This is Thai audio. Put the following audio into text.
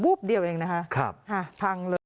มากกว่า๔๐๐แน่นะครับพังเลย